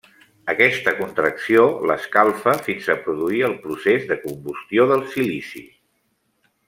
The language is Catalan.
Aquesta contracció l'escalfa fins a produir el procés de combustió del silici.